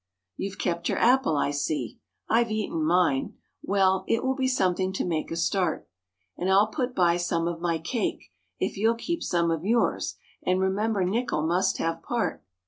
You've kept your apple, I see I've eaten mine well, it will be something to make a start, And I'll put by some of my cake, if you'll keep some of yours, and remember Nickel must have part.